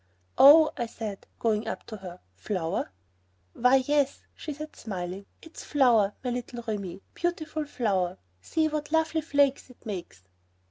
"Oh," I said, going up to her, "flour?" "Why, yes," she said, smiling, "it's flour, my little Remi, beautiful flour. See what lovely flakes it makes."